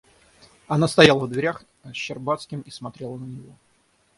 Она стояла в дверях с Щербацким и смотрела на него.